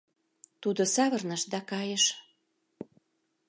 — Тудо савырныш да кайыш.